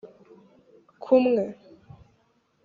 kumwe